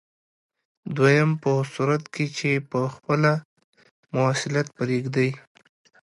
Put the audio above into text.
دویم په صورت کې چې په خپله مواصلت پرېږدئ.